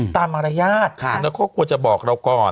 มารยาทแล้วก็ควรจะบอกเราก่อน